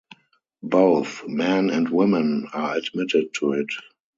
Both men and women are admitted to it.